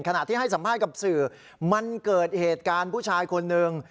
ขณะที่ให้สัมภาษณ์กับสื่อมันเกิดเหตุการณ์ผู้ชายคนหนึ่ง